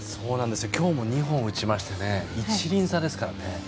今日も２本打ちまして１厘差ですから。